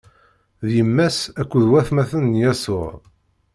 D yemma-s akked watmaten n Yasuɛ.